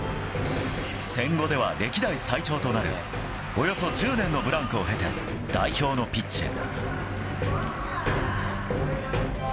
戦後では歴代最長となる、およそ１０年のブランクを経て、代表のピッチへ。